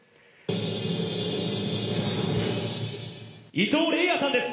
伊藤玲哉さんです！